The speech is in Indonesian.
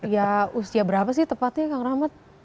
ya usia berapa sih tepatnya kang rahmat